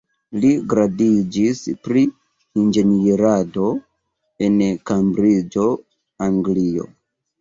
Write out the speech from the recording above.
Li gradiĝis pri Inĝenierado en Kembriĝo, Anglio.